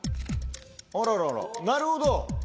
あらららなるほど！